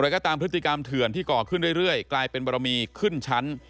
ก็ตามพฤติกรรมเถื่อนที่ก่อขึ้นเรื่อยกลายเป็นบรมีขึ้นชั้น